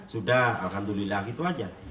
sudah alhamdulillah gitu aja